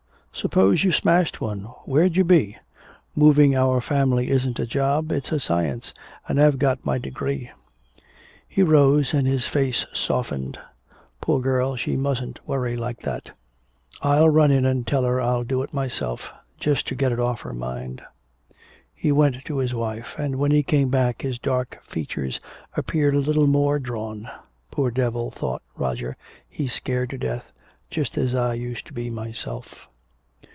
Suppose you smashed one? Where'd you be? Moving our family isn't a job; it's a science, and I've got my degree." He rose and his face softened. "Poor girl, she mustn't worry like that. I'll run in and tell her I'll do it myself just to get it off her mind." He went to his wife. And when he came back his dark features appeared a little more drawn. "Poor devil," thought Roger, "he's scared to death just as I used to be myself."